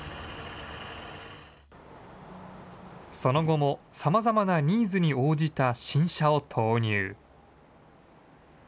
その後もさまざまなニーズに応じた新車を投入。